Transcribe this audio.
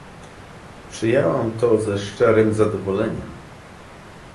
Przyjęłam to ze szczerym zadowoleniem